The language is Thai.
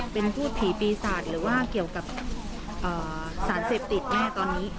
เป็นพูดผีปีศาจหรือว่าเกี่ยวกับสารเสพติดแน่ตอนนี้